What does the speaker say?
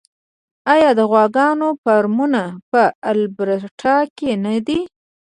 آیا د غواګانو فارمونه په البرټا کې نه دي؟